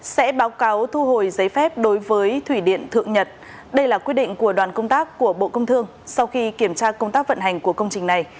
sẽ báo cáo thu hồi giấy phép đối với thủy điện thượng nhật đây là quyết định của đoàn công tác của bộ công thương sau khi kiểm tra công tác vận hành của công trình này